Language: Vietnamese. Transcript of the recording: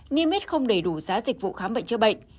niêm yết không đầy đủ giá dịch vụ khám bệnh chữa bệnh